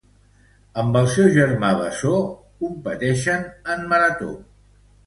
Amb el seu germà bessó Martín Cuestas competixen en marató.